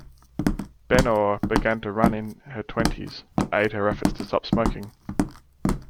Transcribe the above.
Benöhr began to run in her twenties, to aid her efforts to stop smoking.